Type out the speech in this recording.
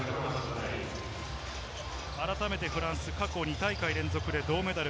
改めてフランスは過去２大会連続で銅メダル。